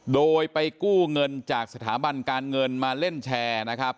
โดยไปกู้เงินจากสถาบันการเงินมาเล่นแชร์นะครับ